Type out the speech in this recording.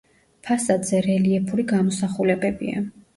ფასადზე რელიეფური გამოსახულებებია.